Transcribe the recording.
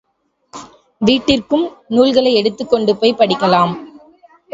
வீட்டிற்கும் நூல்களை எடுத்துக்கொண்டு போய்ப் படிக்கலாம்.